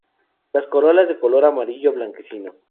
Las corolas de color amarillo a blanquecino.